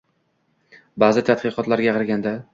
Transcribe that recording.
Ba’zi tadqiqotlarga qaraganda